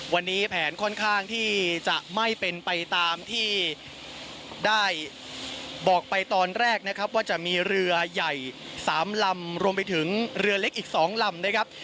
วันนี้แผนค่อนข้างที่จะไม่เป็นไปตามที่ได้บอกไปตอนแรกนะครับว่าจะมีเรือใหญ่๓ลำรวมไปถึงเรือเล็กอีก๒ลำนะครับ